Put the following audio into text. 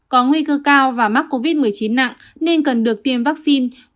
có nguy cơ cao và mắc covid một mươi chín nặng nên cần được tiêm vaccine